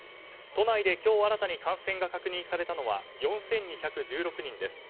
都内で今日新たに感染が確認されたのは４２１６人です。